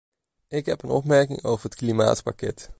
Ik heb een opmerking over het klimaatpakket.